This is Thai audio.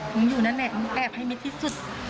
อยู่นั่นแหละมึงแอบให้มิดที่สุด